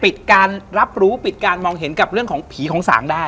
ปิดการรับรู้ปิดการมองเห็นกับเรื่องของผีของสางได้